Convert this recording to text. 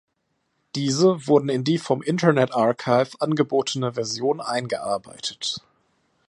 Diese wurden in die vom Internet Archive angebotene Version eingearbeitet.